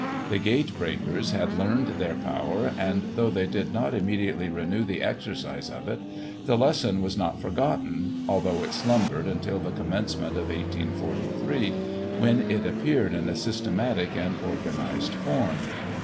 The gate breakers had learned their power and though they did not immediately renew the exercise of it, the lesson was not for gotten, although it slumbered until the commencement of 1843, when it appeared in a systematic and organised form.